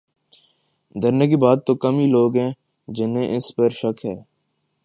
دھرنے کے بعد تو کم ہی لوگ ہیں جنہیں اس پر شک ہے۔